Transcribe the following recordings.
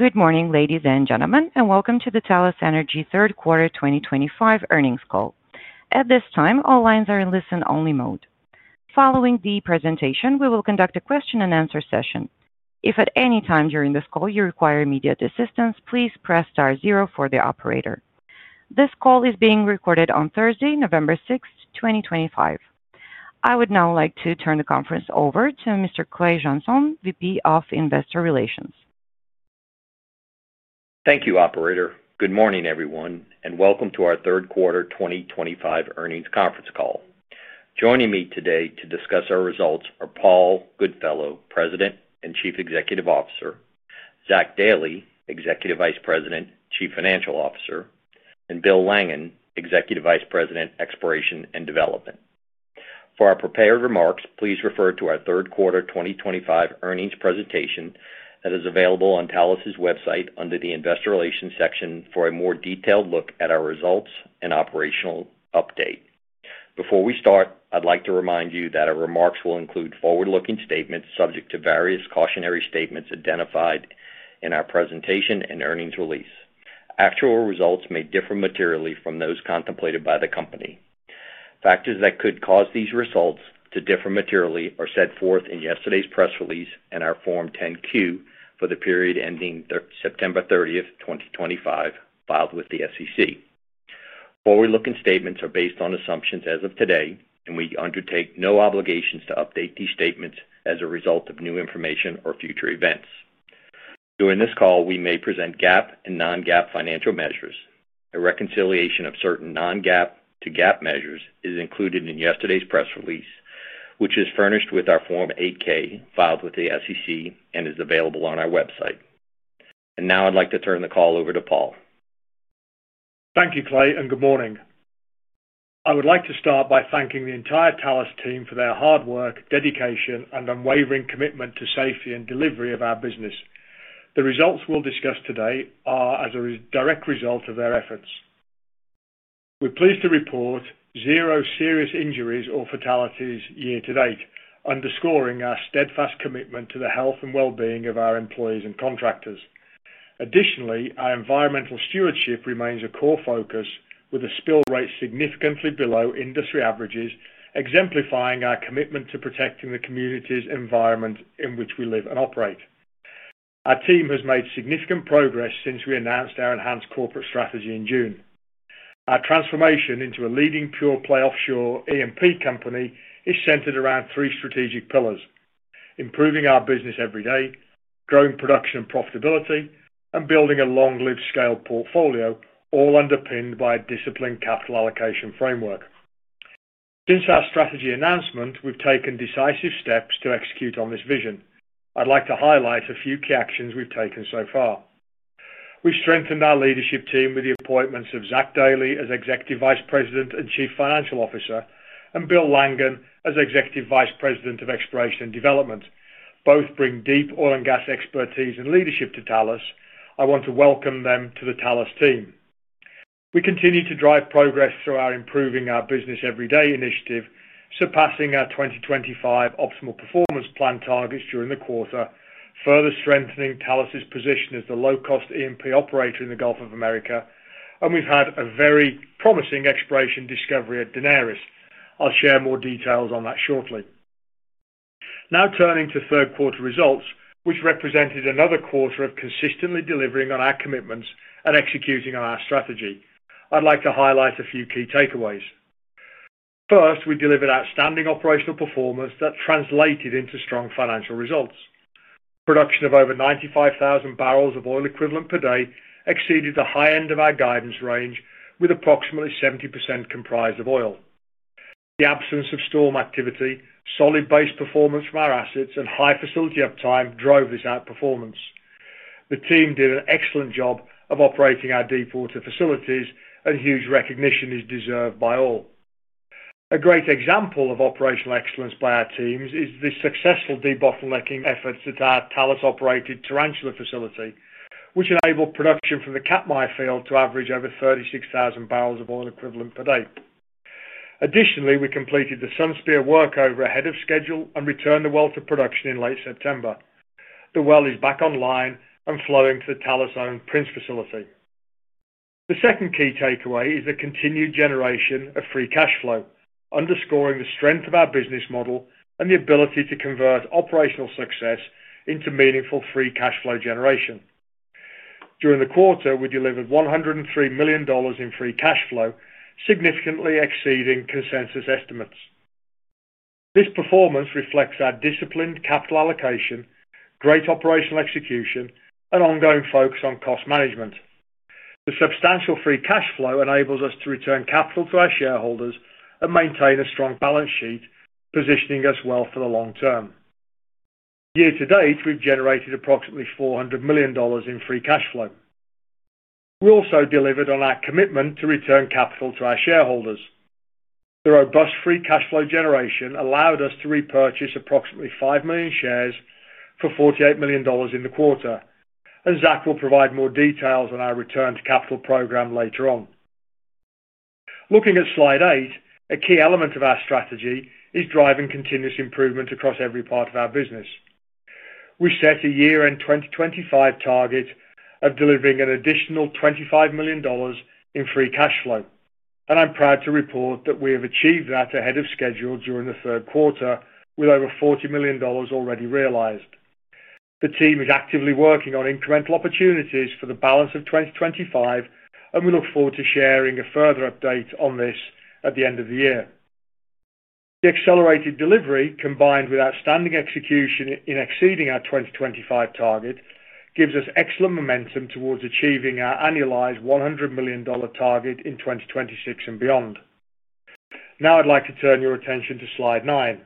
Good morning, ladies and gentlemen, and welcome to the Talos Energy Third Quarter 2025 Earnings Call. At this time, all lines are in listen-only mode. Following the presentation, we will conduct a question-and-answer session. If at any time during this call you require immediate assistance, please press star zero for the operator. This call is being recorded on Thursday, November 6th, 2025. I would now like to turn the conference over to Mr. Clay Jeansonne, VP of Investor Relations. Thank you, Operator. Good morning, everyone, and welcome to our Third Quarter 2025 Earnings Conference Call. Joining me today to discuss our results are Paul Goodfellow, President and Chief Executive Officer; Zach Dailey, Executive Vice President, Chief Financial Officer; and Bill Langin, Executive Vice President, Exploration and Development. For our prepared remarks, please refer to our Third Quarter 2025 Earnings Presentation that is available on Talos's website under the Investor Relations section for a more detailed look at our results and operational update. Before we start, I'd like to remind you that our remarks will include forward-looking statements subject to various cautionary statements identified in our presentation and earnings release. Actual results may differ materially from those contemplated by the company. Factors that could cause these results to differ materially are set forth in yesterday's press release and our Form 10-Q for the period ending September 30, 2025, filed with the SEC. Forward-looking statements are based on assumptions as of today, and we undertake no obligations to update these statements as a result of new information or future events. During this call, we may present GAAP and non-GAAP financial measures. A reconciliation of certain non-GAAP to GAAP measures is included in yesterday's press release, which is furnished with our Form 8-K filed with the SEC and is available on our website. I would like to turn the call over to Paul. Thank you, Clay, and good morning. I would like to start by thanking the entire Talos team for their hard work, dedication, and unwavering commitment to safety and delivery of our business. The results we'll discuss today are a direct result of their efforts. We're pleased to report zero serious injuries or fatalities year-to-date, underscoring our steadfast commitment to the health and well-being of our employees and contractors. Additionally, our environmental stewardship remains a core focus, with the spill rates significantly below industry averages, exemplifying our commitment to protecting the community's environment in which we live and operate. Our team has made significant progress since we announced our enhanced corporate strategy in June. Our transformation into a leading pure-play offshore EMP company is centered around three strategic pillars: improving our business every day, growing production and profitability, and building a long-lived scaled portfolio, all underpinned by a disciplined capital allocation framework. Since our strategy announcement, we've taken decisive steps to execute on this vision. I'd like to highlight a few key actions we've taken so far. We've strengthened our leadership team with the appointments of Zach Dailey as Executive Vice President and Chief Financial Officer and Bill Langin as Executive Vice President of Exploration and Development. Both bring deep oil and gas expertise and leadership to Talos. I want to welcome them to the Talos team. We continue to drive progress through our Improving Our Business Every Day initiative, surpassing our 2025 Optimal Performance Plan targets during the quarter, further strengthening Talos's position as the low-cost E&P operator in the Gulf of America, and we've had a very promising exploration discovery at Daenerys. I'll share more details on that shortly. Now turning to third quarter results, which represented another quarter of consistently delivering on our commitments and executing on our strategy, I'd like to highlight a few key takeaways. First, we delivered outstanding operational performance that translated into strong financial results. Production of over 95,000 barrels of oil equivalent per day exceeded the high end of our guidance range, with approximately 70% comprised of oil. The absence of storm activity, solid base performance from our assets, and high facility up-time drove this outperformance. The team did an excellent job of operating our deepwater facilities, and huge recognition is deserved by all. A great example of operational excellence by our teams is the successful de-bottlenecking efforts at our Talos-operated Tarantula facility, which enabled production from the Katmai field to average over 36,000 barrels of oil equivalent per day. Additionally, we completed the Sunspear workover ahead of schedule and returned the well to production in late September. The well is back online and flowing to the Talos-owned Prince facility. The second key takeaway is the continued generation of free cash flow, underscoring the strength of our business model and the ability to convert operational success into meaningful free cash flow generation. During the quarter, we delivered $103 million in free cash flow, significantly exceeding consensus estimates. This performance reflects our disciplined capital allocation, great operational execution, and ongoing focus on cost management. The substantial free cash flow enables us to return capital to our shareholders and maintain a strong balance sheet, positioning us well for the long term. Year-to-date, we've generated approximately $400 million in free cash flow. We also delivered on our commitment to return capital to our shareholders. The robust free cash flow generation allowed us to repurchase approximately 5 million shares for $48 million in the quarter, and Zach will provide more details on our return to capital program later on. Looking at slide eight, a key element of our strategy is driving continuous improvement across every part of our business. We set a year-end 2025 target of delivering an additional $25 million in free cash flow, and I'm proud to report that we have achieved that ahead of schedule during the third quarter, with over $40 million already realized. The team is actively working on incremental opportunities for the balance of 2025, and we look forward to sharing a further update on this at the end of the year. The accelerated delivery, combined with outstanding execution in exceeding our 2025 target, gives us excellent momentum towards achieving our annualized $100 million target in 2026 and beyond. Now I'd like to turn your attention to slide nine.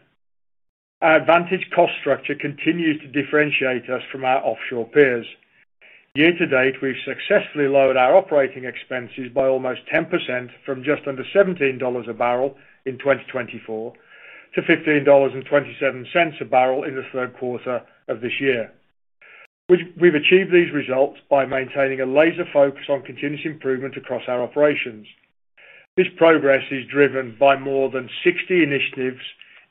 Our advantaged cost structure continues to differentiate us from our offshore peers. Year-to-date, we've successfully lowered our operating expenses by almost 10% from just under $17 a barrel in 2024 to $15.27 a barrel in the third quarter of this year. We've achieved these results by maintaining a laser focus on continuous improvement across our operations. This progress is driven by more than 60 initiatives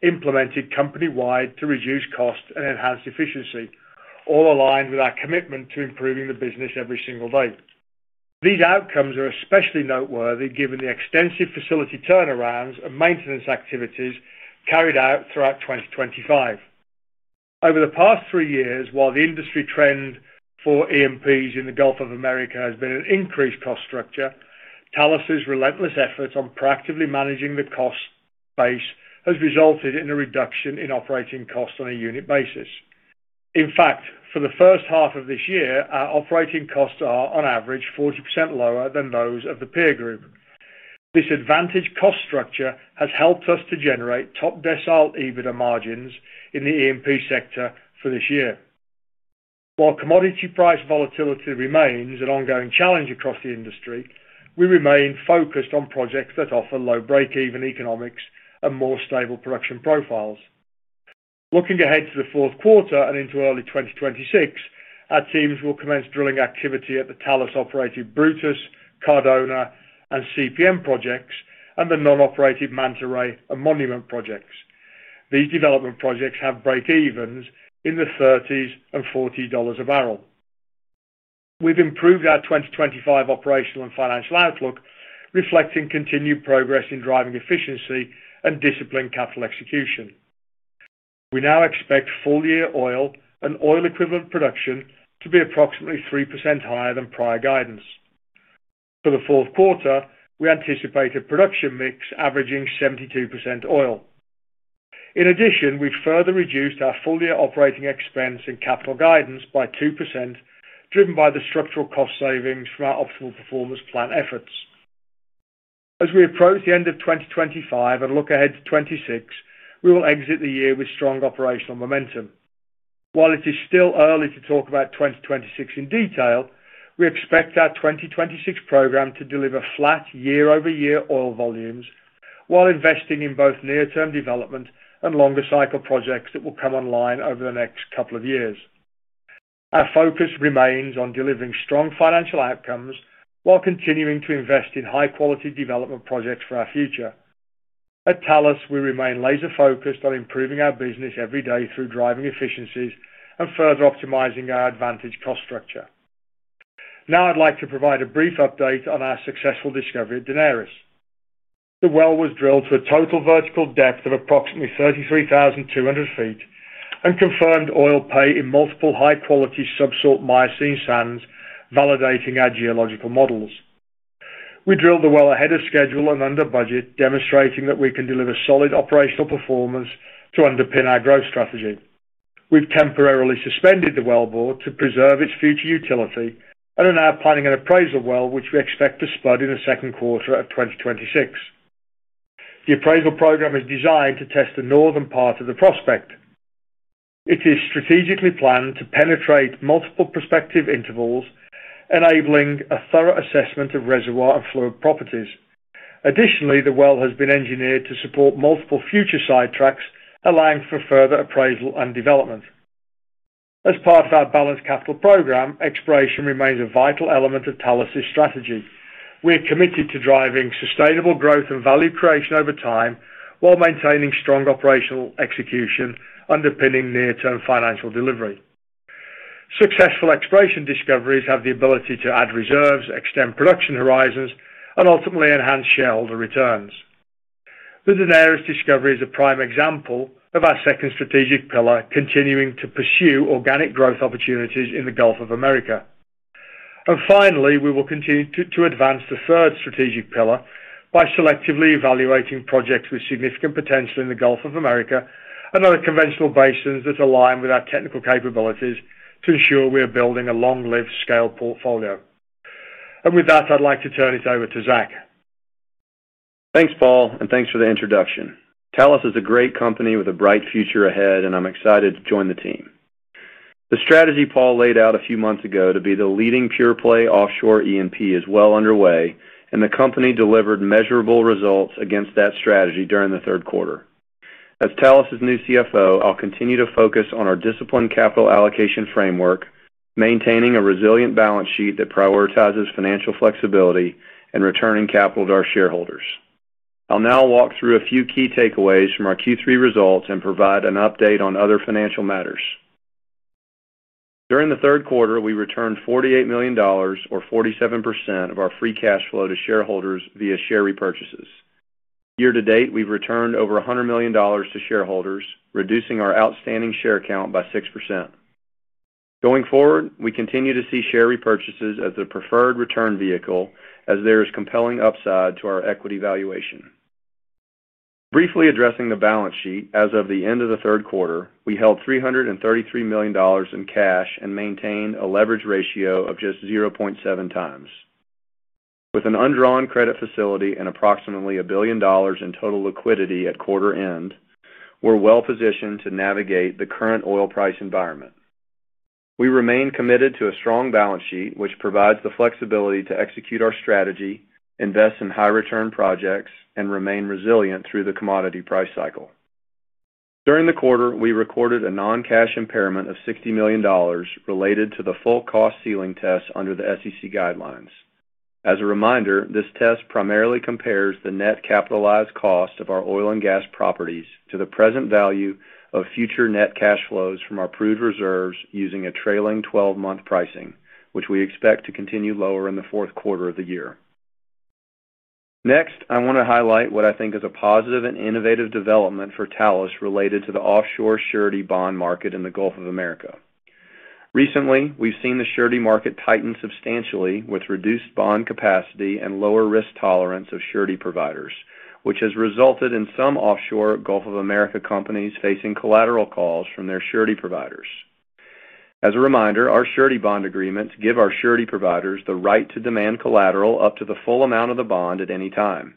implemented company-wide to reduce costs and enhance efficiency, all aligned with our commitment to improving the business every single day. These outcomes are especially noteworthy given the extensive facility turnarounds and maintenance activities carried out throughout 2025. Over the past three years, while the industry trend for E&Ps in the Gulf of America has been an increased cost structure, Talos's relentless efforts on proactively managing the cost base has resulted in a reduction in operating costs on a unit basis. In fact, for the first half of this year, our operating costs are, on average, 40% lower than those of the peer group. This advantaged cost structure has helped us to generate top decile EBITDA margins in the E&P sector for this year. While commodity price volatility remains an ongoing challenge across the industry, we remain focused on projects that offer low break-even economics and more stable production profiles. Looking ahead to the fourth quarter and into early 2026, our teams will commence drilling activity at the Talos-operated Brutus, Cardona, and CPN projects, and the non-operated Manta Ray and Monument projects. These development projects have break-evens in the $30-$40 a barrel. We've improved our 2025 operational and financial outlook, reflecting continued progress in driving efficiency and disciplined capital execution. We now expect full-year oil and oil equivalent production to be approximately 3% higher than prior guidance. For the fourth quarter, we anticipate a production mix averaging 72% oil. In addition, we've further reduced our full-year operating expense and capital guidance by 2%, driven by the structural cost savings from our optimal performance plan efforts. As we approach the end of 2025 and look ahead to 2026, we will exit the year with strong operational momentum. While it is still early to talk about 2026 in detail, we expect our 2026 program to deliver flat year-over-year oil volumes while investing in both near-term development and longer cycle projects that will come online over the next couple of years. Our focus remains on delivering strong financial outcomes while continuing to invest in high-quality development projects for our future. At Talos, we remain laser-focused on improving our business every day through driving efficiencies and further optimizing our advantaged cost structure. Now I'd like to provide a brief update on our successful discovery at Daenerys. The well was drilled to a total vertical depth of approximately 33,200 ft and confirmed oil pay in multiple high-quality sub-salt Miocene sands validating our geological models. We drilled the well ahead of schedule and under budget, demonstrating that we can deliver solid operational performance to underpin our growth strategy. We've temporarily suspended the Wellbore to preserve its future utility and are now planning an appraisal well, which we expect to spud in the second quarter of 2026. The appraisal program is designed to test the northern part of the prospect. It is strategically planned to penetrate multiple prospective intervals, enabling a thorough assessment of reservoir and fluid properties. Additionally, the well has been engineered to support multiple future side tracks, allowing for further appraisal and development. As part of our balanced capital program, exploration remains a vital element of Talos's strategy. We're committed to driving sustainable growth and value creation over time while maintaining strong operational execution underpinning near-term financial delivery. Successful exploration discoveries have the ability to add reserves, extend production horizons, and ultimately enhance shareholder returns. The Daenerys discovery is a prime example of our second strategic pillar continuing to pursue organic growth opportunities in the Gulf of America. Finally, we will continue to advance the third strategic pillar by selectively evaluating projects with significant potential in the Gulf of America and other conventional basins that align with our technical capabilities to ensure we are building a long-lived scaled portfolio. With that, I'd like to turn it over to Zach. Thanks, Paul, and thanks for the introduction. Talos is a great company with a bright future ahead, and I'm excited to join the team. The strategy Paul laid out a few months ago to be the leading pure-play offshore E&P is well underway, and the company delivered measurable results against that strategy during the third quarter. As Talos's new CFO, I'll continue to focus on our disciplined capital allocation framework, maintaining a resilient balance sheet that prioritizes financial flexibility and returning capital to our shareholders. I'll now walk through a few key takeaways from our Q3 results and provide an update on other financial matters. During the third quarter, we returned $48 million, or 47% of our free cash flow, to shareholders via share repurchases. Year-to-date, we've returned over $100 million to shareholders, reducing our outstanding share count by 6%. Going forward, we continue to see share repurchases as the preferred return vehicle, as there is compelling upside to our equity valuation. Briefly addressing the balance sheet, as of the end of the third quarter, we held $333 million in cash and maintained a leverage ratio of just 0.7x. With an undrawn credit facility and approximately $1 billion in total liquidity at quarter end, we're well positioned to navigate the current oil price environment. We remain committed to a strong balance sheet, which provides the flexibility to execute our strategy, invest in high-return projects, and remain resilient through the commodity price cycle. During the quarter, we recorded a non-cash impairment of $60 million related to the full cost ceiling test under the SEC guidelines. As a reminder, this test primarily compares the net capitalized cost of our oil and gas properties to the present value of future net cash flows from our proved reserves using a trailing 12-month pricing, which we expect to continue lower in the fourth quarter of the year. Next, I want to highlight what I think is a positive and innovative development for Talos related to the offshore surety bond market in the Gulf of America. Recently, we've seen the surety market tighten substantially with reduced bond capacity and lower risk tolerance of surety providers, which has resulted in some offshore Gulf of America companies facing collateral calls from their surety providers. As a reminder, our surety bond agreements give our surety providers the right to demand collateral up to the full amount of the bond at any time.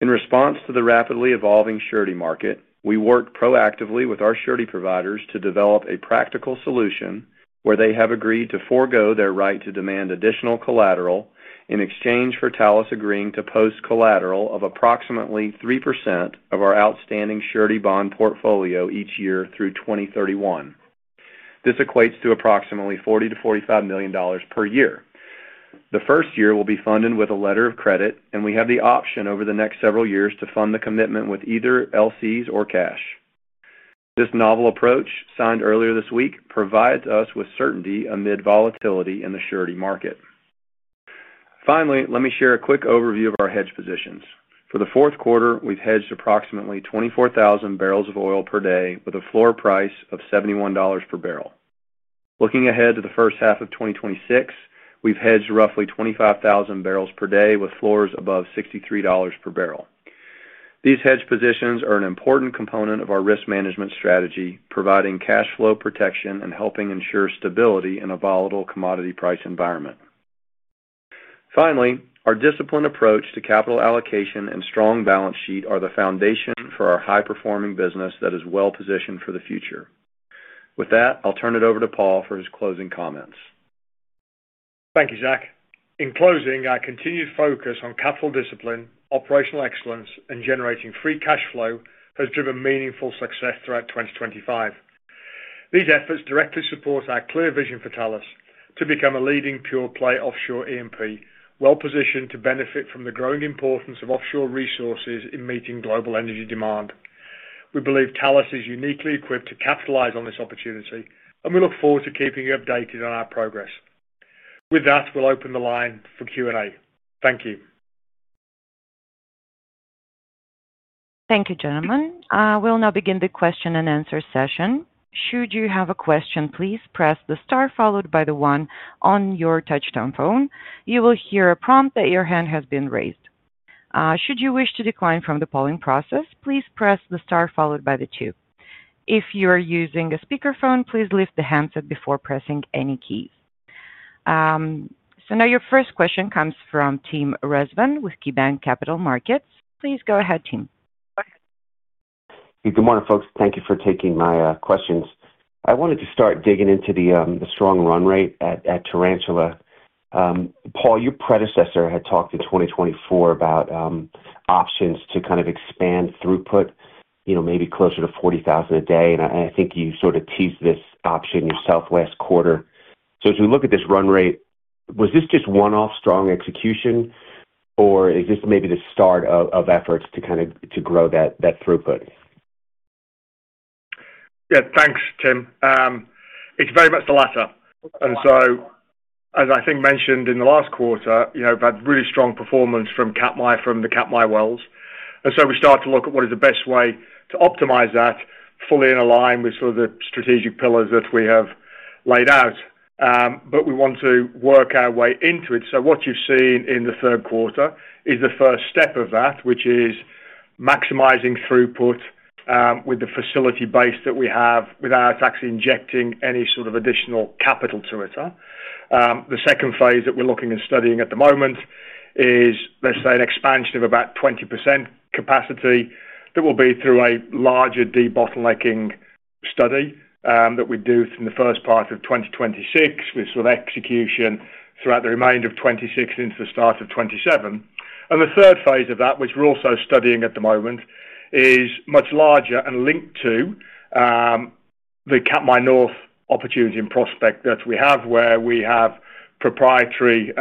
In response to the rapidly evolving surety market, we worked proactively with our surety providers to develop a practical solution where they have agreed to forego their right to demand additional collateral in exchange for Talos agreeing to post collateral of approximately 3% of our outstanding surety bond portfolio each year through 2031. This equates to approximately $40-$45 million per year. The first year will be funded with a letter of credit, and we have the option over the next several years to fund the commitment with either LCs or cash. This novel approach, signed earlier this week, provides us with certainty amid volatility in the surety market. Finally, let me share a quick overview of our hedge positions. For the fourth quarter, we've hedged approximately 24,000 barrels of oil per day with a floor price of $71 per barrel. Looking ahead to the first half of 2026, we've hedged roughly 25,000 barrels per day with floors above $63 per barrel. These hedge positions are an important component of our risk management strategy, providing cash flow protection and helping ensure stability in a volatile commodity price environment. Finally, our disciplined approach to capital allocation and strong balance sheet are the foundation for our high-performing business that is well positioned for the future. With that, I'll turn it over to Paul for his closing comments. Thank you, Zach. In closing, our continued focus on capital discipline, operational excellence, and generating free cash flow has driven meaningful success throughout 2025. These efforts directly support our clear vision for Talos to become a leading pure-play offshore E&P, well positioned to benefit from the growing importance of offshore resources in meeting global energy demand. We believe Talos is uniquely equipped to capitalize on this opportunity, and we look forward to keeping you updated on our progress. With that, we'll open the line for Q&A. Thank you. Thank you, gentlemen. We will now begin the question and answer session. Should you have a question, please press the star followed by the one on your touch-tone phone. You will hear a prompt that your hand has been raised. Should you wish to decline from the polling process, please press the star followed by the two. If you are using a speakerphone, please lift the handset before pressing any keys. Your first question comes from Tim Rezvan with KeyBanc Capital Markets. Please go ahead, Tim. Good morning, folks. Thank you for taking my questions. I wanted to start digging into the strong run rate at Tarantula. Paul, your predecessor had talked in 2024 about options to kind of expand throughput, maybe closer to 40,000 a day. I think you sort of teased this option yourself last quarter. As we look at this run rate, was this just one-off strong execution, or is this maybe the start of efforts to kind of grow that throughput? Yeah, thanks, Tim. It's very much the latter. As I think mentioned in the last quarter, we've had really strong performance from the Katmai wells. We start to look at what is the best way to optimize that, fully in alignment with sort of the strategic pillars that we have laid out. We want to work our way into it. What you've seen in the third quarter is the first step of that, which is maximizing throughput with the facility base that we have without actually injecting any sort of additional capital to it. The second phase that we're looking and studying at the moment is, let's say, an expansion of about 20% capacity that will be through a larger de-bottlenecking study that we do in the first part of 2026, with sort of execution throughout the remainder of 2026 into the start of 2027. The third phase of that, which we're also studying at the moment, is much larger and linked to the Katmai North opportunity and prospect that we have, where we have proprietary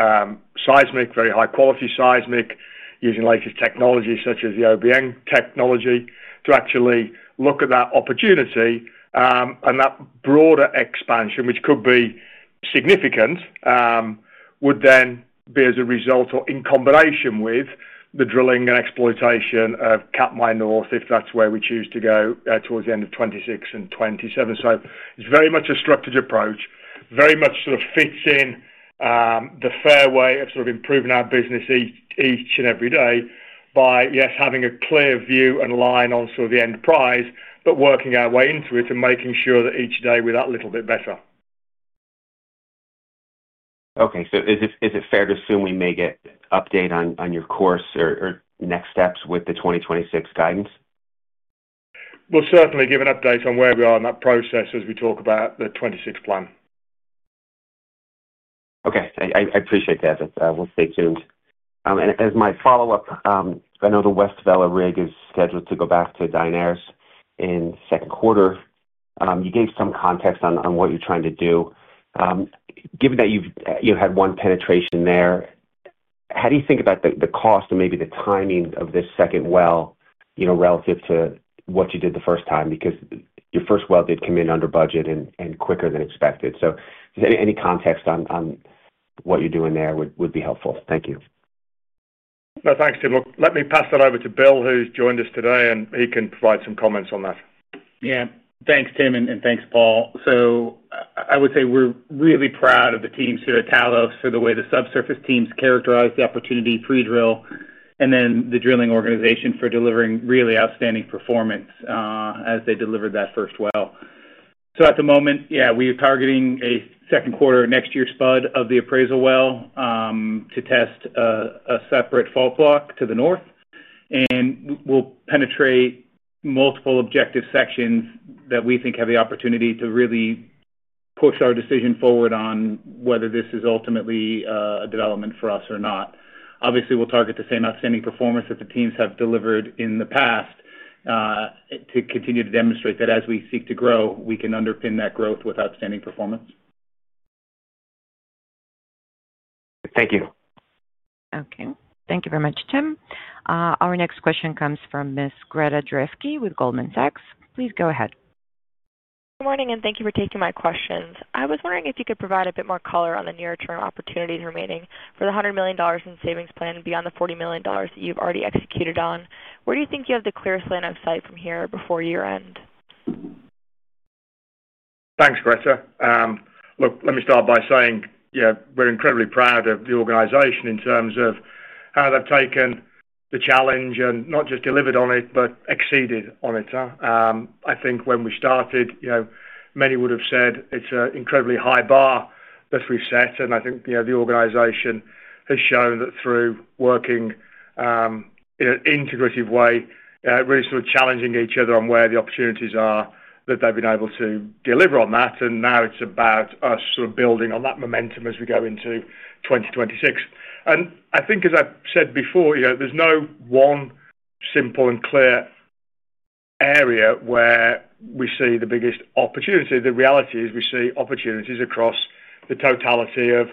seismic, very high-quality seismic, using latest technology such as the OBN technology to actually look at that opportunity. That broader expansion, which could be significant, would then be as a result or in combination with the drilling and exploitation of Katmai North, if that's where we choose to go towards the end of 2026 and 2027. It is very much a structured approach, very much sort of fits in. The fair way of sort of improving our business each and every day by, yes, having a clear view and line on sort of the end price, but working our way into it and making sure that each day we are that little bit better. Okay. So is it fair to assume we may get an update on your course or next steps with the 2026 guidance? We'll certainly give an update on where we are in that process as we talk about the 2026 plan. Okay. I appreciate that. We'll stay tuned. As my follow-up, I know the West Vela rig is scheduled to go back to Daenerys in the second quarter. You gave some context on what you're trying to do. Given that you had one penetration there, how do you think about the cost and maybe the timing of this second well relative to what you did the first time? Because your first well did come in under budget and quicker than expected. Any context on what you're doing there would be helpful. Thank you. No, thanks, Tim. Let me pass that over to Bill, who's joined us today, and he can provide some comments on that. Yeah. Thanks, Tim, and thanks, Paul. I would say we're really proud of the teams here at Talos for the way the subsurface teams characterized the opportunity pre-drill, and then the drilling organization for delivering really outstanding performance as they delivered that first well. At the moment, yeah, we are targeting a second quarter of next year's spud of the appraisal well to test a separate fault block to the north. We'll penetrate multiple objective sections that we think have the opportunity to really push our decision forward on whether this is ultimately a development for us or not. Obviously, we'll target the same outstanding performance that the teams have delivered in the past to continue to demonstrate that as we seek to grow, we can underpin that growth with outstanding performance. Thank you. Okay. Thank you very much, Tim. Our next question comes from Ms. Greta Drefke with Goldman Sachs. Please go ahead. Good morning, and thank you for taking my questions. I was wondering if you could provide a bit more color on the near-term opportunities remaining for the $100 million in savings plan beyond the $40 million that you've already executed on. Where do you think you have the clearest line of sight from here before year-end? Thanks, Greta. Look, let me start by saying we're incredibly proud of the organization in terms of how they've taken the challenge and not just delivered on it, but exceeded on it. I think when we started, many would have said it's an incredibly high bar that we've set. I think the organization has shown that through working in an integrative way, really sort of challenging each other on where the opportunities are, that they've been able to deliver on that. Now it's about us sort of building on that momentum as we go into 2026. I think, as I've said before, there's no one simple and clear area where we see the biggest opportunity. The reality is we see opportunities across the totality of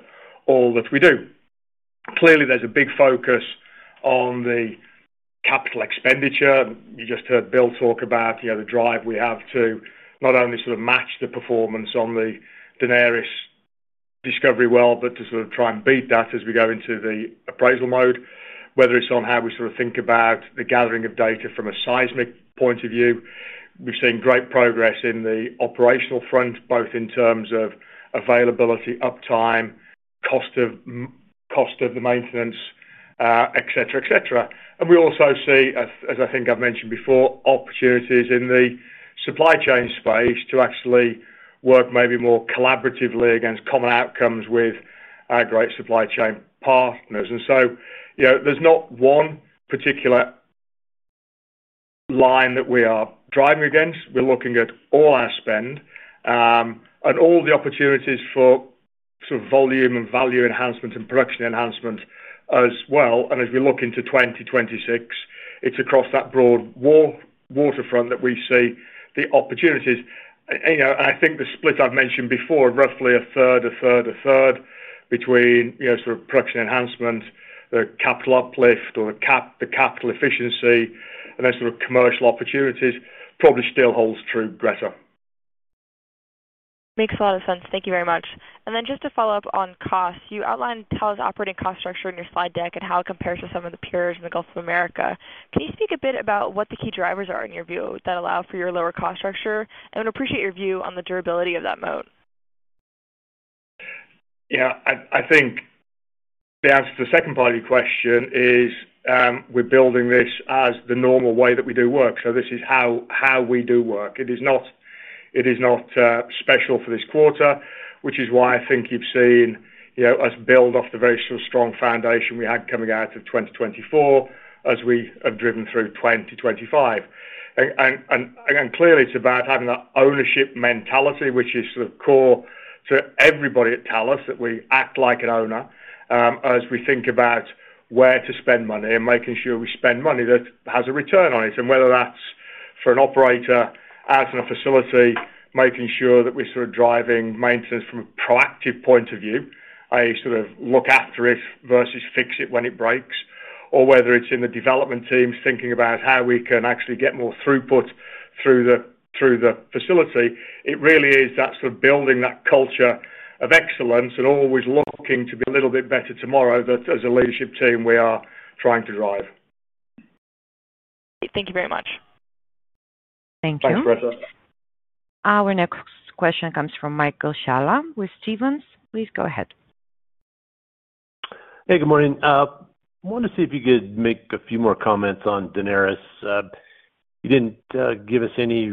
all that we do. Clearly, there's a big focus on the capital expenditure. You just heard Bill talk about the drive we have to not only sort of match the performance on the Daenerys discovery well, but to sort of try and beat that as we go into the appraisal mode, whether it's on how we sort of think about the gathering of data from a seismic point of view. We've seen great progress on the operational front, both in terms of availability, uptime, cost of the maintenance, etc., etc. We also see, as I think I've mentioned before, opportunities in the supply chain space to actually work maybe more collaboratively against common outcomes with our great supply chain partners. There is not one particular line that we are driving against. We're looking at all our spend and all the opportunities for sort of volume and value enhancement and production enhancement as well. As we look into 2026, it is across that broad waterfront that we see the opportunities. I think the split I have mentioned before, roughly a third, a third, a third between sort of production enhancement, the capital uplift or the capital efficiency, and then sort of commercial opportunities, probably still holds true, Greta. Makes a lot of sense. Thank you very much. Just to follow up on costs, you outlined Talos' operating cost structure in your slide deck and how it compares to some of the peers in the Gulf of America. Can you speak a bit about what the key drivers are, in your view, that allow for your lower cost structure? I would appreciate your view on the durability of that moat. Yeah. I think the answer to the second part of your question is we're building this as the normal way that we do work. This is how we do work. It is not special for this quarter, which is why I think you've seen us build off the very sort of strong foundation we had coming out of 2024 as we have driven through 2025. Clearly, it's about having that ownership mentality, which is sort of core to everybody at Talos, that we act like an owner as we think about where to spend money and making sure we spend money that has a return on it. Whether that is for an operator as in a facility, making sure that we are sort of driving maintenance from a proactive point of view, i.e., sort of look after it versus fix it when it breaks, or whether it is in the development teams thinking about how we can actually get more throughput through the facility. It really is that sort of building that culture of excellence and always looking to be a little bit better tomorrow that, as a leadership team, we are trying to drive. Thank you very much. Thank you. Thanks, Greta. Our next question comes from Michael Scialla with Stephens. Please go ahead. Hey, good morning. I wanted to see if you could make a few more comments on Daenerys. You did not give us any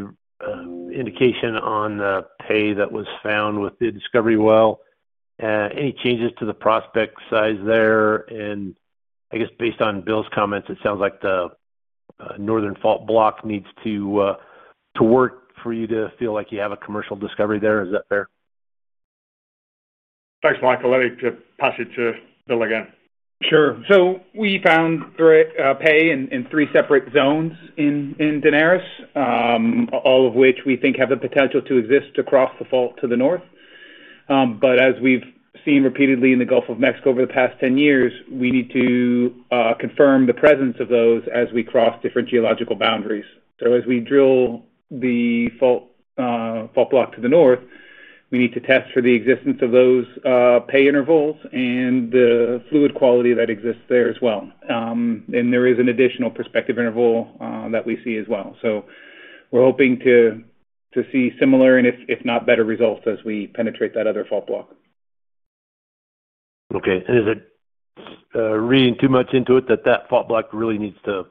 indication on the pay that was found with the Discovery Well. Any changes to the prospect size there? I guess, based on Bill's comments, it sounds like the northern fault block needs to work for you to feel like you have a commercial discovery there. Is that fair? Thanks, Michael. Let me pass it to Bill again. Sure. We found pay in three separate zones in Daenerys, all of which we think have the potential to exist across the fault to the north. As we have seen repeatedly in the Gulf of America over the past 10 years, we need to confirm the presence of those as we cross different geological boundaries. As we drill the fault block to the north, we need to test for the existence of those pay intervals and the fluid quality that exists there as well. There is an additional prospective interval that we see as well. We are hoping to see similar and, if not better, results as we penetrate that other fault block. Okay. Is it reading too much into it that that fault block really needs to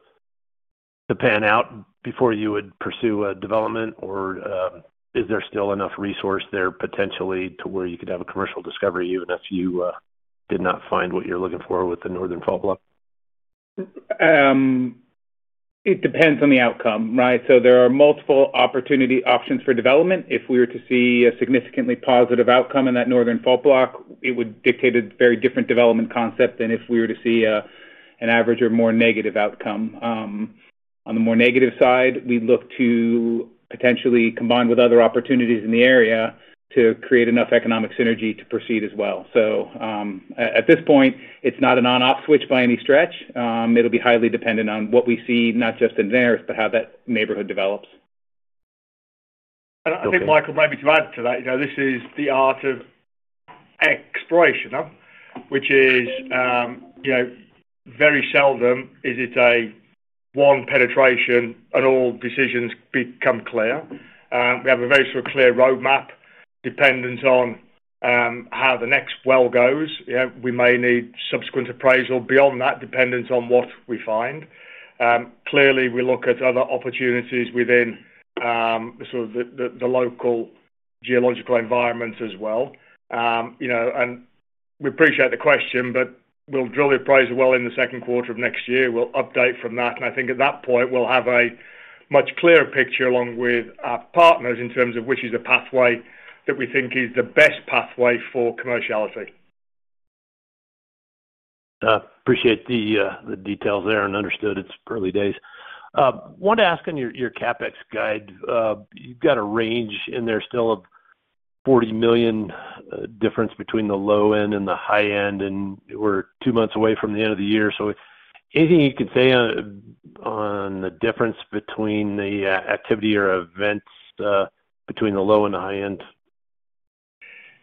pan out before you would pursue a development? Or is there still enough resource there potentially to where you could have a commercial discovery even if you did not find what you're looking for with the northern fault block? It depends on the outcome, right? There are multiple opportunity options for development. If we were to see a significantly positive outcome in that northern fault block, it would dictate a very different development concept than if we were to see an average or more negative outcome. On the more negative side, we look to potentially combine with other opportunities in the area to create enough economic synergy to proceed as well. At this point, it is not an on-off switch by any stretch. It will be highly dependent on what we see, not just in Daenerys, but how that neighborhood develops. I think Michael may be too added to that. This is the art of exploration, which is very seldom is it a one penetration and all decisions become clear. We have a very sort of clear roadmap dependent on how the next well goes. We may need subsequent appraisal beyond that, dependent on what we find. Clearly, we look at other opportunities within sort of the local geological environment as well. We appreciate the question, but we'll drill the appraisal well in the second quarter of next year. We'll update from that. I think at that point, we'll have a much clearer picture along with our partners in terms of which is the pathway that we think is the best pathway for commerciality. Appreciate the details there and understood it's early days. I wanted to ask on your CapEx guide, you've got a range in there still of $40 million difference between the low end and the high end, and we're two months away from the end of the year. Anything you could say on the difference between the activity or events between the low and the high end?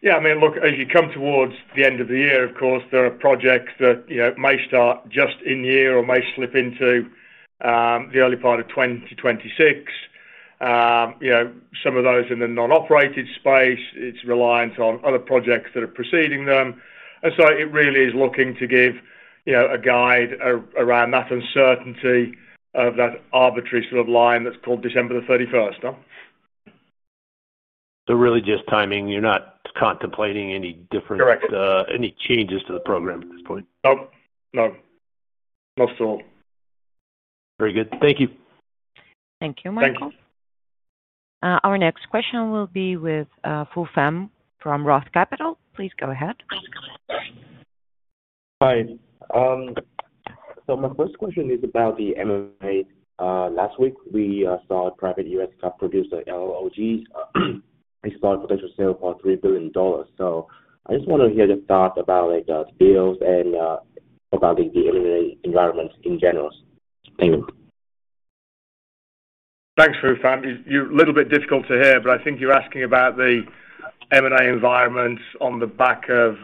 Yeah. I mean, look, as you come towards the end of the year, of course, there are projects that may start just in year or may slip into the early part of 2026. Some of those in the non-operated space, it's reliant on other projects that are preceding them. It really is looking to give a guide around that uncertainty of that arbitrary sort of line that's called December the 31st. Really just timing. You're not contemplating any different- Correct. -any changes to the program at this point? No. No. Not at all. Very good. Thank you. Thank you, Michael. Thank you. Our next question will be with Phu Pham from ROTH Capital. Please go ahead. Hi. My first question is about the M&A. Last week, we saw a private US Gulf producer, LLOG, installed a potential sale for $3 billion. I just want to hear your thoughts about deals and about the M&A environment in general. Thank you. Thanks, Phu Pham. You're a little bit difficult to hear, but I think you're asking about the M&A environment on the back of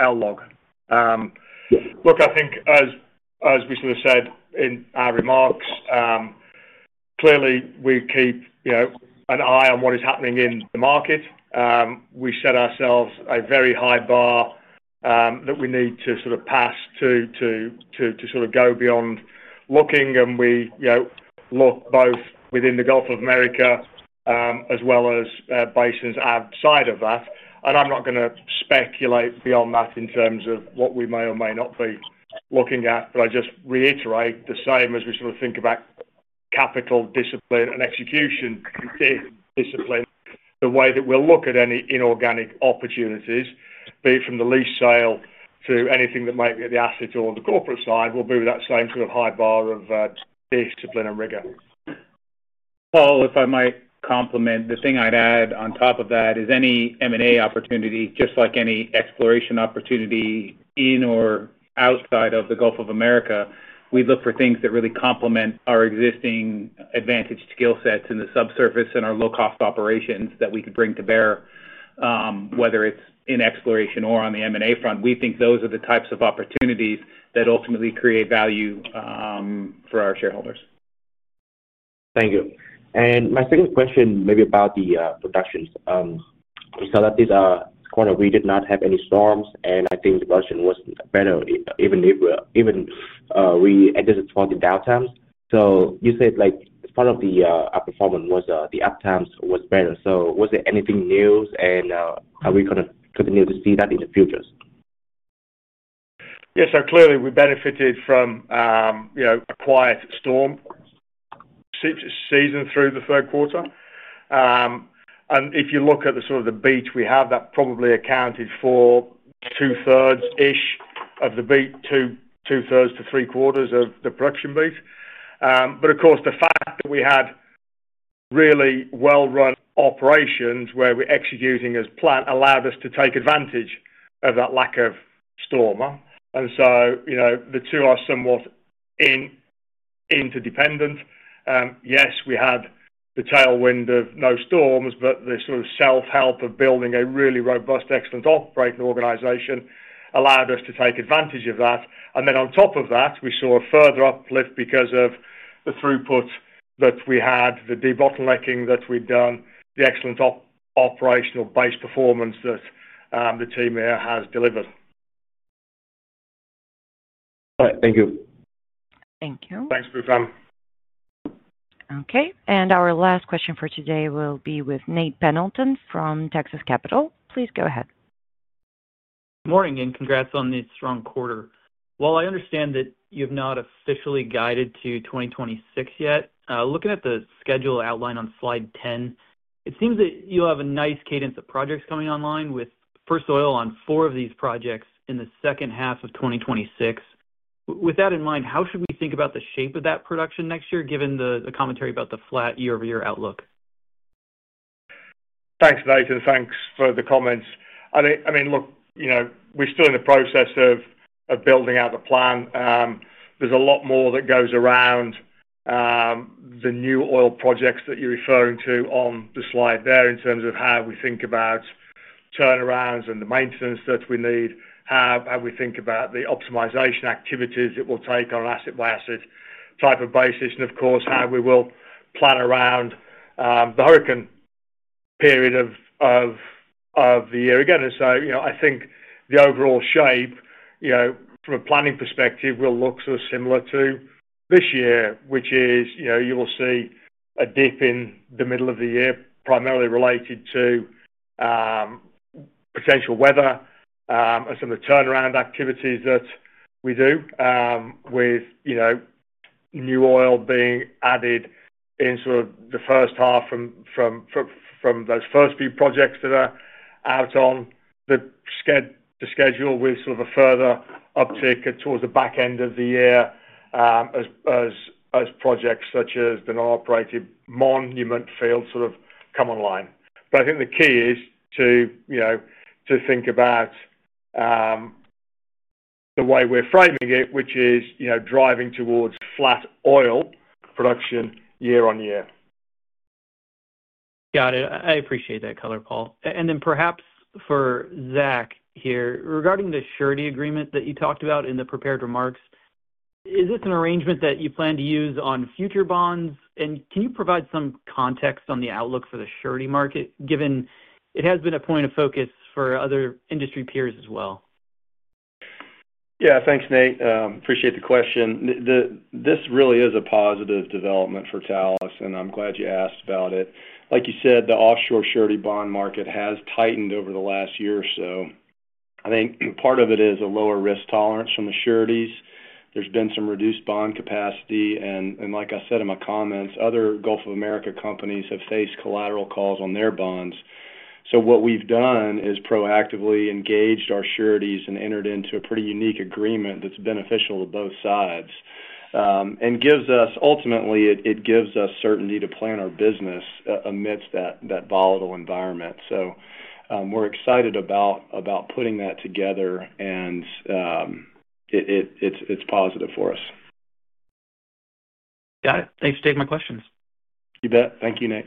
LLOG. Look, I think, as we sort of said in our remarks, clearly, we keep an eye on what is happening in the market. We set ourselves a very high bar that we need to sort of pass to sort of go beyond looking. We look both within the Gulf of America as well as basins outside of that. I'm not going to speculate beyond that in terms of what we may or may not be looking at. I just reiterate the same as we sort of think about. Capital discipline and execution discipline, the way that we'll look at any inorganic opportunities, be it from the lease sale to anything that might be at the asset or the corporate side, will be with that same sort of high bar of discipline and rigor. Phu, if I might complement on the thing I'd add on top of that is any M&A opportunity, just like any exploration opportunity in or outside of the Gulf of America, we look for things that really complement our existing advantaged skill sets in the subsurface and our low-cost operations that we could bring to bear. Whether it's in exploration or on the M&A front, we think those are the types of opportunities that ultimately create value for our shareholders. Thank you. My second question maybe about the productions. We saw that this quarter, we did not have any storms, and I think the production was better even if we anticipated downtimes. You said part of the performance was the uptimes was better. Was there anything new, and are we going to continue to see that in the future? Yes, so clearly, we benefited from a quiet storm season through the third quarter. If you look at the sort of the beat, we have that probably accounted for two-thirds-ish of the beat, two-thirds to three-quarters of the production beat. Of course, the fact that we had really well-run operations where we're executing as planned allowed us to take advantage of that lack of storm. The two are somewhat interdependent. Yes, we had the tailwind of no storms, but the sort of self-help of building a really robust, excellent operating organization allowed us to take advantage of that. On top of that, we saw a further uplift because of the throughput that we had, the debottlenecking that we'd done, the excellent operational-based performance that the team here has delivered. All right. Thank you. Thank you. Thanks, Phu Pham. Okay. Our last question for today will be with Nate Pendleton from Texas Capital. Please go ahead. Good morning, and congrats on this strong quarter. While I understand that you've not officially guided to 2026 yet, looking at the schedule outline on slide 10, it seems that you'll have a nice cadence of projects coming online with first oil on four of these projects in the second half of 2026. With that in mind, how should we think about the shape of that production next year, given the commentary about the flat year-over-year outlook? Thanks, Nathan. Thanks for the comments. I mean, look, we're still in the process of building out the plan. There's a lot more that goes around the new oil projects that you're referring to on the slide there in terms of how we think about turnarounds and the maintenance that we need, how we think about the optimization activities that we'll take on an asset-by-asset type of basis, and of course, how we will plan around the hurricane period of the year. Again, I think the overall shape from a planning perspective will look sort of similar to this year, which is you will see a dip in the middle of the year, primarily related to potential weather and some of the turnaround activities that we do, with new oil being added in sort of the first half from. Those first few projects that are out on the schedule with sort of a further uptake towards the back end of the year, as projects such as the non-operated Monument field sort of come online. I think the key is to think about the way we're framing it, which is driving towards flat oil production year-on-year. Got it. I appreciate that color, Paul. Perhaps for Zach here, regarding the surety agreement that you talked about in the prepared remarks, is this an arrangement that you plan to use on future bonds? Can you provide some context on the outlook for the surety market, given it has been a point of focus for other industry peers as well? Yeah. Thanks, Nate. Appreciate the question. This really is a positive development for Talos, and I'm glad you asked about it. Like you said, the offshore surety bond market has tightened over the last year or so. I think part of it is a lower risk tolerance from the sureties. There's been some reduced bond capacity. Like I said in my comments, other Gulf of America companies have faced collateral calls on their bonds. What we've done is proactively engaged our sureties and entered into a pretty unique agreement that's beneficial to both sides. Ultimately, it gives us certainty to plan our business amidst that volatile environment. We're excited about putting that together. It's positive for us. Got it. Thanks for taking my questions. You bet. Thank you, Nate.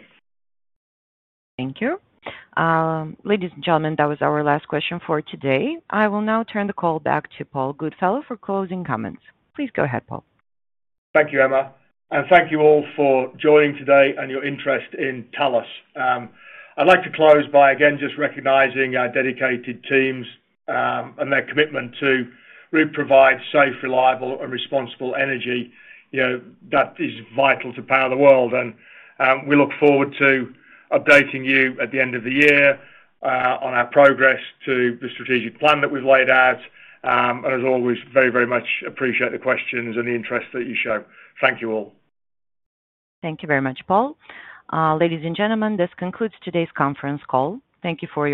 Thank you. Ladies and gentlemen, that was our last question for today. I will now turn the call back to Paul Goodfellow for closing comments. Please go ahead, Paul. Thank you, Emma. Thank you all for joining today and your interest in Talos. I'd like to close by, again, just recognizing our dedicated teams and their commitment to provide safe, reliable, and responsible energy. That is vital to power the world. We look forward to updating you at the end of the year on our progress to the strategic plan that we've laid out. As always, very, very much appreciate the questions and the interest that you show. Thank you all. Thank you very much, Paul. Ladies and gentlemen, this concludes today's conference call. Thank you for your time.